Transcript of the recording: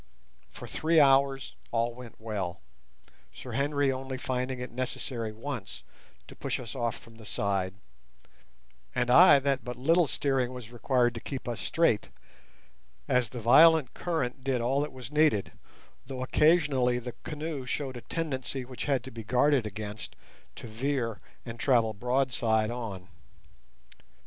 For three hours all went well, Sir Henry only finding it necessary once to push us off from the side; and I that but little steering was required to keep us straight, as the violent current did all that was needed, though occasionally the canoe showed a tendency which had to be guarded against to veer and travel broadside on.